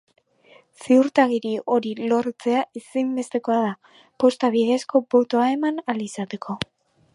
Ziurtagiri hori lortzea ezinbestekoa da posta bidezko botoa eman ahal izateko.